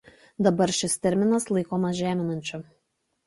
Dabar šis terminas laikomas žeminančiu.